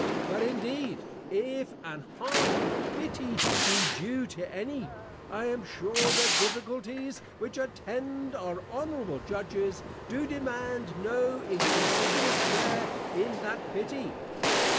_ But indeed, if an hearty pity be due to any, I am sure, the Difficulties which attend our Honourable Judges, do demand no Inconsiderable share in that Pity.